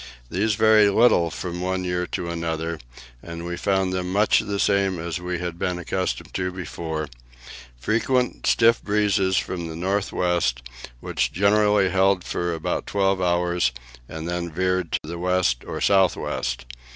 These vary little from one year to another, and we found them much the same as we had been accustomed to before: frequent, stiff breezes from the north west, which generally held for about twelve hours, and then veered to west or south west.